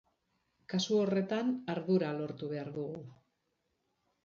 Kasu horretan ardura lortu behar dugu.